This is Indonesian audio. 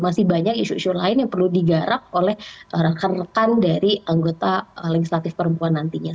masih banyak isu isu lain yang perlu digarap oleh rekan rekan dari anggota legislatif perempuan nantinya